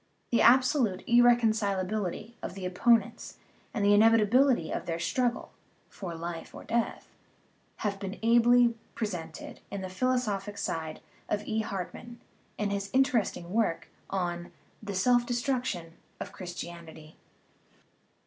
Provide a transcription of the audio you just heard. The absolute irreconcil ability of the opponents and the inevitability of their struggle ("for life or death") have been ably presented on the philosophic side by E. Hartmann, in his inter esting work on The Self Destruction of Christianity.